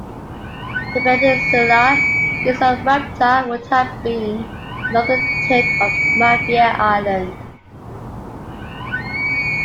The peninsula east of Rhapta would have been the northern tip of Mafia Island.